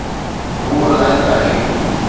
هو لائق آهي